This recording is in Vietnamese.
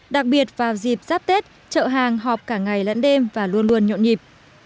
đặc biệt vào dịp giáp tết chợ hàng họp cả ngày lẫn đêm và luôn luôn nhộn nhịp